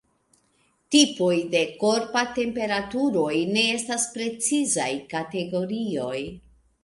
Tipoj de korpa temperaturoj ne estas precizaj kategorioj.